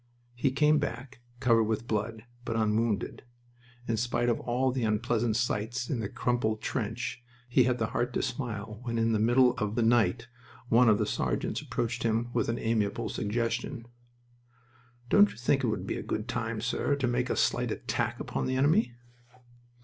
He came back, covered with blood, but unwounded. In spite of all the unpleasant sights in a crumpled trench, he had the heart to smile when in the middle of the night one of the sergeants approached him with an amiable suggestion. "Don't you think it would be a good time, sir, to make a slight attack upon the enemy?"